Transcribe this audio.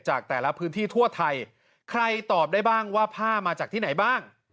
จากแต่ละพื้นที่ทั่วไทยใครตอบได้บ้างว่าผ้ามาจากที่ไหนบ้าง